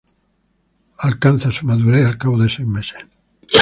Alcanza su madurez al cabo de seis meses.